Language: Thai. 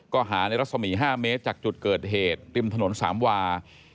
ก็หาในรัศมี๕เมตรจากจุดเกิดเหตุริมถนนสามวา